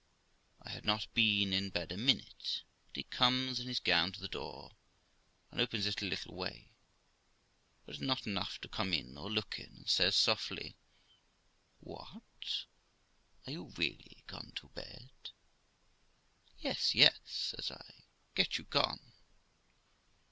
I had not been in bed a minute but he comes in his gown to the door, and opens it a little way, but not enough to come in or look in, and says softly, 'What! are you really gone to bed?' 'Yes, yes' says I; 'get you gone.'